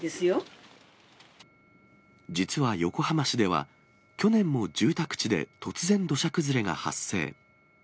実は横浜市では、去年も住宅地で突然、土砂崩れが発生。